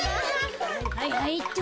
はいはいっと。